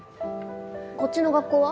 こっちの学校は？